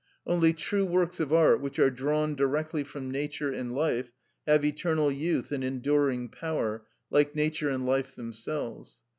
Only true works of art, which are drawn directly from nature and life, have eternal youth and enduring power, like nature and life themselves.